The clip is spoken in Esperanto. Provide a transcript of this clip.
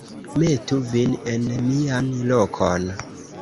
metu vin en mian lokon.